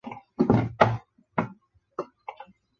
西南大学附属中学。